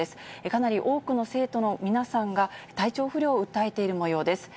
かなり多くの生徒の皆さんが、体調不良を訴えているもようです。